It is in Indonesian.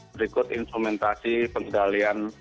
berikut instrumentasi pengendalian